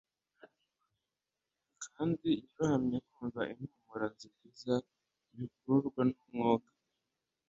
Kandi yarohamye kumva impumuro nziza bikururwa numwuka